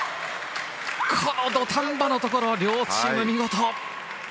この土壇場のところ両チーム見事。